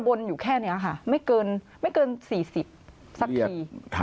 อยู่แค่นี้ค่ะไม่เกิน๔๐สักที